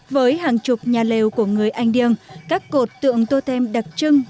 với hàng chục nhà lều của người anh điêng các cột tượng tô thêm đặc trưng